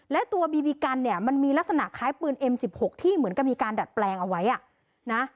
และตัวบีบีกันเนี่ยมันมีลักษณะคล้ายปืนเอ็มสิบหกที่เหมือนกับมีการดัดแปลงเอาไว้อ่ะนะ